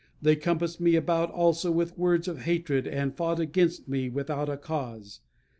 They compassed me about also with words of hatred, and fought against me without a cause....